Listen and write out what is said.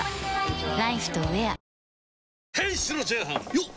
よっ！